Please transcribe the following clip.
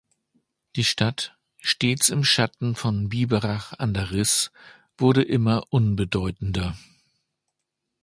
Die Stadt, stets im Schatten von Biberach an der Riß, wurde immer unbedeutender.